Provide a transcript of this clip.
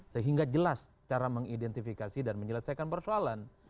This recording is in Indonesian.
sehingga jelas cara mengidentifikasi dan menyelesaikan persoalan